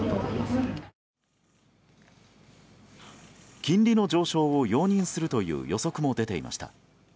金利の上昇を容認するという予測も出ていました。